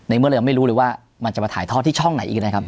เมื่อเราไม่รู้เลยว่ามันจะมาถ่ายทอดที่ช่องไหนอีกนะครับ